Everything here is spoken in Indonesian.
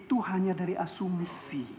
itu hanya dari asumsi